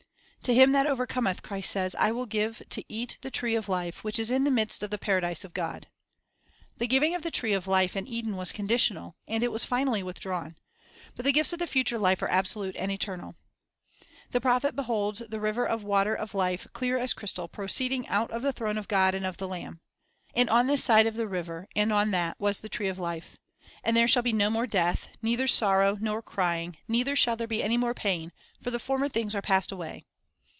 "To him that overcometh," Christ says, "will I give to eat of the tree of life, which is in the midst of the paradise of God." 1 The giving of the tree of life in Eden was conditional, and it was finally withdrawn. But the gifts of the future life are absolute and eternal. The prophet beholds the "river of water of life, clear as crystal, proceeding out of the throne of God and of the Lamb." "And on this side of the river and on that was the tree of life." "And there shall be no more death, neither sorrow, nor crying, neither shall there be any more pain; for the former things are passed away."